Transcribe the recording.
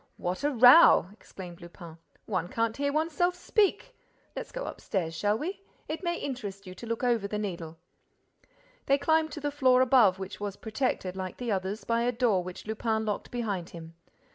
"What a row!" exclaimed Lupin. "One can't hear one's self speak! Let's go upstairs, shall we? It may interest you to look over the Needle." They climbed to the floor above, which was protected, like the others, by a door which Lupin locked behind him.